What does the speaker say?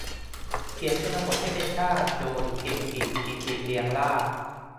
"เขียนชนบทให้เป็นชาติ" โดย เก่งกิจ กิติเรียงลาภ